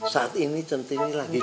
saat ini sentini lagi jatuh